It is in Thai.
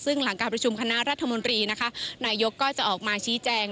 ซึ่งหลังการประชุมคณะรัฐมนตรีนะคะนายกก็จะออกมาชี้แจง